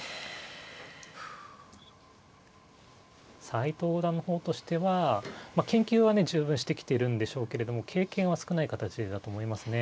斎藤五段の方としてはまあ研究はね十分してきてるんでしょうけれども経験は少ない形だと思いますね。